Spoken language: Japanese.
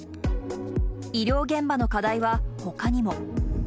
医療現場の課題はほかにも。